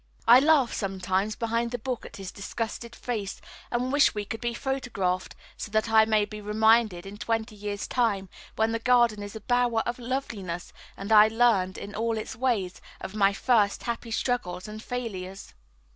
I laugh sometimes behind the book at his disgusted face, and wish we could be photographed, so that I may be reminded in twenty years' time, when the garden is a bower of loveliness and I learned in all its ways, of my first happy struggles and failures.